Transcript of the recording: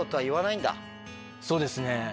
そうですね。